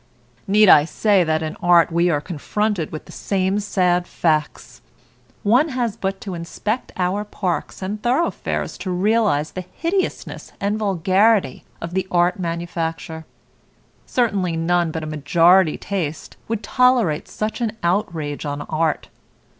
Need I say that in art we are confronted with the same sad facts? One has but to inspect our parks and thoroughfares to realize the hideousness and vulgarity of the art manufacture. Certainly, none but a majority taste would tolerate such an outrage on art.